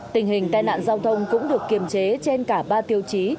tình hình tai nạn giao thông cũng được kiềm chế trên cả ba tiêu chí